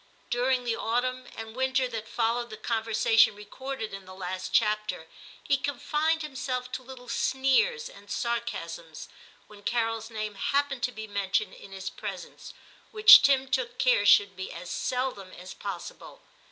During the autumn and winter that followed the conversation recorded in the last chapter he confined himself to little sneers and sarcasms when Carol's name happened to be mentioned in his presence, which Tim took care should be as seldom as possible.